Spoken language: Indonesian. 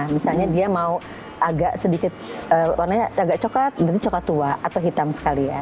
misalnya dia mau agak sedikit warnanya agak coklat berarti coklat tua atau hitam sekali ya